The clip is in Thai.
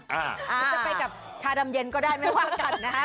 หรือจะไปกับชาดำเย็นก็ได้ไม่ว่ากันนะฮะ